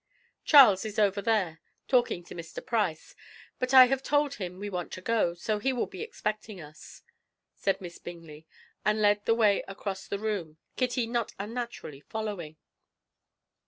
"Charles is over there, talking to Mr. Price, but I have told him we want to go, so he will be expecting us," said Miss Bingley, and led the way across the room, Kitty not unnaturally following.